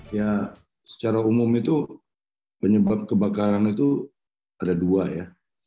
ya secara umum itu penyebab kebakaran itu ada dua ya